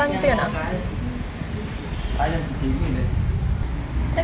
giá số xuất hiện